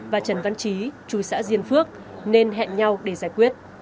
và trần văn trí chú xã diên phước nên hẹn nhau để giải quyết